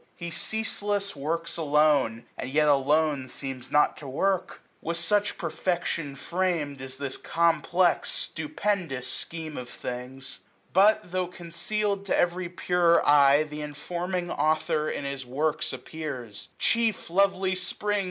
He ceaseless works alone ; and yet alone Seems not to work : With such perfection fram'd Is this complex stupendous scheme of things. 855 But, tho' concealed, to every purer eye Th' informing Author in his works appears : Chief, lovely Spring